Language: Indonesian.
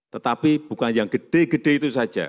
tetapi bukan yang gede gede itu saja